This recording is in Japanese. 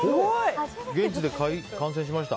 現地で観戦しました。